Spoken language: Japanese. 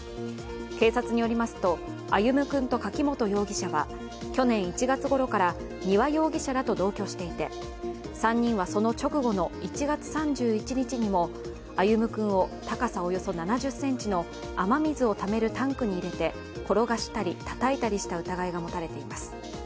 警察によりますと歩夢君と柿本容疑者は去年１月ごろから丹羽容疑者らと同居していて、３人はその直後の１月３１日にも歩夢君を高さおよそ７０ｃｍの雨水をためるタンクに入れて、転がしたり、たたいたりした疑いが持たれています。